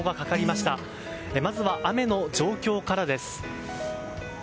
まずは雨の状況からです。